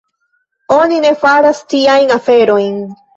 Oni ne faras tiajn aferojn.